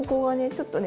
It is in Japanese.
ちょっとね